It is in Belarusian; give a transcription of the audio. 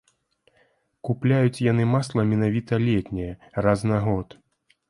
Купляюць яны масла менавіта летняе, раз на год.